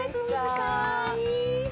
かわいい！